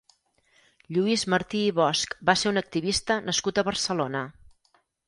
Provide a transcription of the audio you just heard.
Lluís Martí i Bosch va ser un activista nascut a Barcelona.